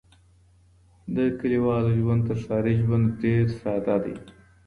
د کليوالو ژوند تر ښاري ژوند ډېر ساده دی.